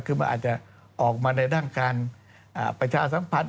คือมันอาจจะออกมาในด้านการประชาสัมพันธ